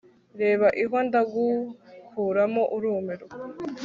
Reba ihwa ndagukuramo urumirwa